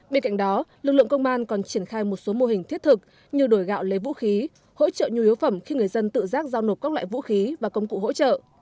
bên cạnh đó lực lượng công an còn triển khai một số mô hình thiết thực như đổi gạo lấy vũ khí hỗ trợ nhu yếu phẩm khi người dân tự giác giao nộp các loại vũ khí và công cụ hỗ trợ